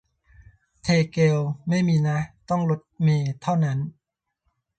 เทเกลไม่มีนะ ต้องรถเมล์เท่านั้น